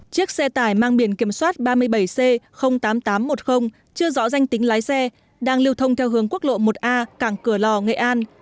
chiếc xe tải mang biển kiểm soát ba mươi bảy c tám nghìn tám trăm một mươi chưa rõ danh tính lái xe đang lưu thông theo hướng quốc lộ một a cảng cửa lò nghệ an